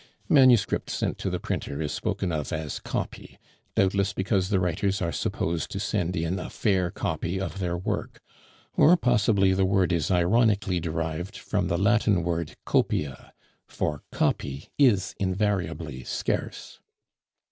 Manuscript sent to the printer is spoken of as "copy," doubtless because the writers are supposed to send in a fair copy of their work; or possibly the word is ironically derived from the Latin word copia, for copy is invariably scarce.